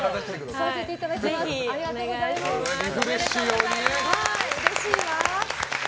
うれしいわ。